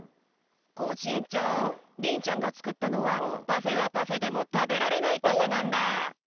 コージえんちょうりんちゃんがつくったのはパフェはパフェでもたべられないパフェなんだ。